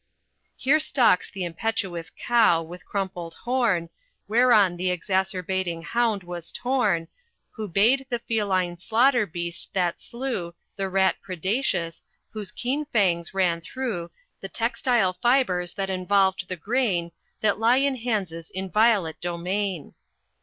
Here stalks the impetuous Cow with crumpled horn, Whereon the exacerbating hound was torn, Who bayed the feline slaughter beast that slew The Rat predaceous, whose keen fangs ran through The textile fibers that involved the grain That lay in Hans' inviolate domain.